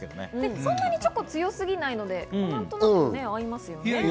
そんなにチョコは強すぎないので何となく合いますよね。